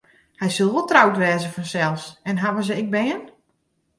Hy sil wol troud wêze fansels en hawwe se ek bern?